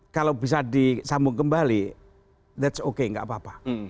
kalau bisa disambung kembali that's okay gak apa apa